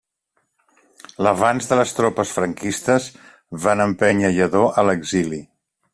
L’avanç de les tropes franquistes van empènyer Lladó a l’exili.